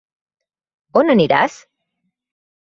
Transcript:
On aniràs?